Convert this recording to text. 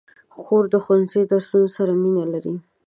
خور د ښوونځي د درسونو سره مینه لري.